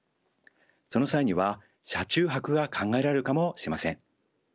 その際には車中泊が考えられるかもしれません。